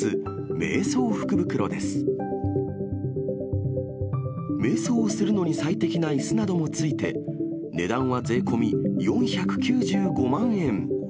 めい想をするのに最適ないすなども付いて、値段は税込み４９５万